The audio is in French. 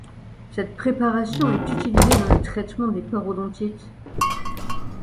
Cette préparation est utilisée dans le traitement des parodontites.